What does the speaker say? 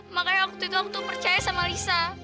makanya waktu itu aku tuh percaya sama lisa